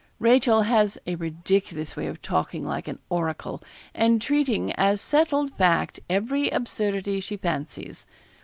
Rachel has a ridiculous way of talking like an oracle, and treating as settled fact every absurdity she fancies.